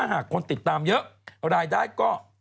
จากกระแสของละครกรุเปสันนิวาสนะฮะ